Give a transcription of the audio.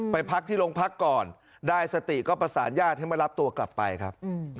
พักที่โรงพักก่อนได้สติก็ประสานญาติให้มารับตัวกลับไปครับ